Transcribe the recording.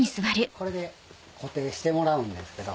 これで固定してもらうんですけど。